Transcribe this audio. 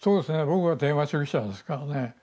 僕はテーマ主義者ですからね。